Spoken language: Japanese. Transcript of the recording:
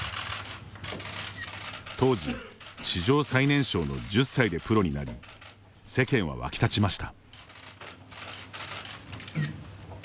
当時史上最年少の１０歳でプロになり世間は沸き立ちました。